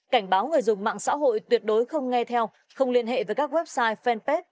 cảnh báo người dùng mạng xã hội tuyệt đối không nghe theo không liên hệ với các website fanpage